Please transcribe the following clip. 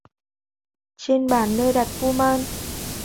Trên bàn nơi đặt Kuman